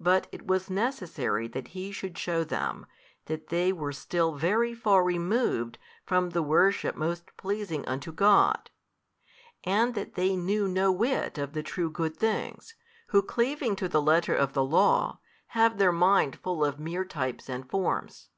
But it was necessary that He should shew them, that they were still very far removed from the worship most pleasing unto God, and that they knew no whit of the true good things, who cleaving to the letter of the law, have their mind full of mere types and forms.